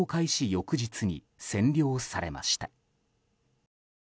翌日に占領されました。